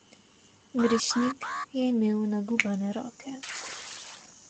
Grešnik je imel nagubane roke.